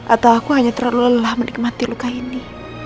atau aku hanya terlalu lelah menikmati luka ini